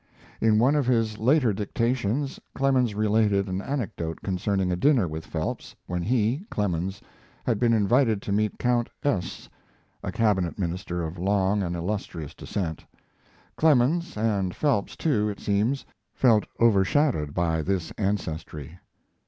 In one of his later dictations Clemens related an anecdote concerning a dinner with Phelps, when he (Clemens) had been invited to meet Count S , a cabinet minister of long and illustrious descent. Clemens, and Phelps too, it seems, felt overshadowed by this ancestry.